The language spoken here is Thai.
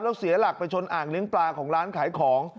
แล้วเสียหลักไปชนอ่างเลี้ยงปลาของร้านขายของ